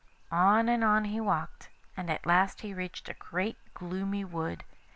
On and on he walked, and at last he reached a great gloomy wood.